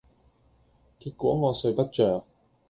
結果我睡不著